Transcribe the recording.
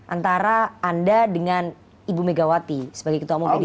antara anda dengan ibu megawati sebagai ketua umum p tiga